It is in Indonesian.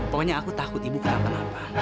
pokoknya aku takut ibu kenapa napa